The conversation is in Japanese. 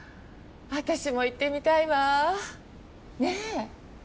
私も行ってみたいわ。ねぇ？